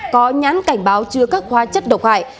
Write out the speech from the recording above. có nhắn cảnh báo chưa các khoa chất độc hại